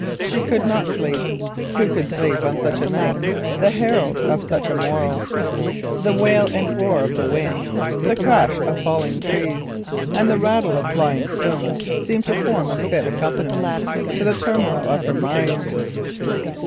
She could not sleep—who could sleep on such a night, the herald of such a morrow? The wail and roar of the wind, the crash of falling trees, and the rattle of flying stones seemed to form a fit accompaniment to the turmoil of her mind.